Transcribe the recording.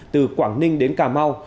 từ quảng ninh đến cà mau